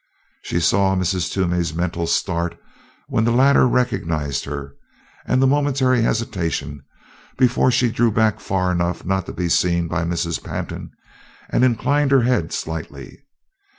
She saw Mrs. Toomey's mental start when the latter recognized her, and the momentary hesitation before she drew back far enough not to be seen by Mrs. Pantin, and inclined her head slightly.